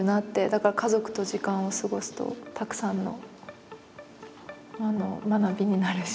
だから家族と時間を過ごすとたくさんの学びになるし。